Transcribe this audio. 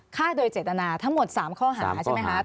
ฆ่าโดยเจตนาทั้งหมด๓ข้อหาใช่ไหมคะ